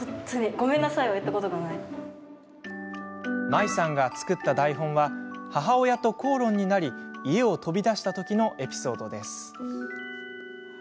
まいさんが作った台本は母親と口論になり家を飛び出したときのエピソードです。